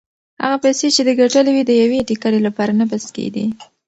هغه پیسې چې ده ګټلې وې د یوې ټکلې لپاره نه بس کېدې.